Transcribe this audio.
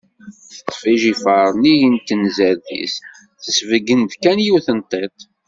Teṭṭef ijifer nnig n tinezrt-is, tessebgan-d kan yiwet n tiṭ.